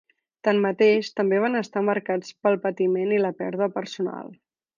Tanmateix, també van estar marcats pel patiment i la pèrdua personal.